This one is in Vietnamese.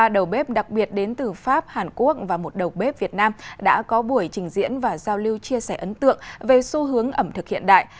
ba đầu bếp đặc biệt đến từ pháp hàn quốc và một đầu bếp việt nam đã có buổi trình diễn và giao lưu chia sẻ ấn tượng về xu hướng ẩm thực hiện đại